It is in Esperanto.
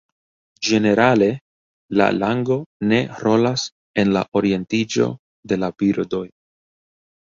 Ĝenerale, la lango ne rolas en la orientiĝo de la birdoj.